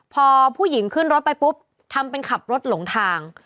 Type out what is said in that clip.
พอผู้หญิงขึ้นรถไปปุ๊บทำเป็นขับรถหลงทาง